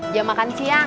jam makan siang